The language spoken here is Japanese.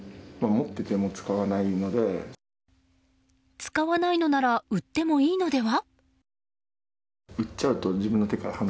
使わないのなら売ってもいいのでは？